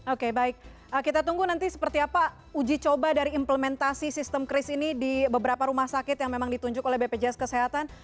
oke baik kita tunggu nanti seperti apa uji coba dari implementasi sistem kris ini di beberapa rumah sakit yang memang ditunjuk oleh bpjs kesehatan